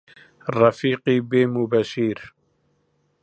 ڕەفیقی بێ موبەشیر